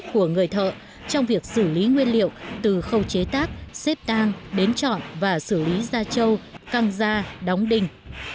của người thợ trong việc xử lý nguyên liệu từ khâu chế tác xếp tăng đến chọn và xử lý da trâu căng da đóng đinh